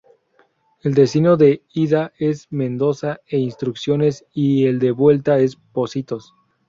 El destino de ida es Mendoza e Instrucciones y el de vuelta es Pocitos.